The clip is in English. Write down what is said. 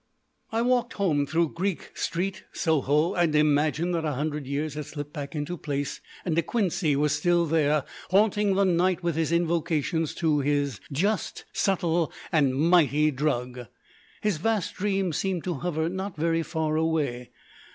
I walked home through Greek Street, Soho, and imagined that a hundred years had slipped back into place and De Quincey was still there, haunting the night with invocations to his "just, subtle, and mighty" drug. His vast dreams seemed to hover not very far away.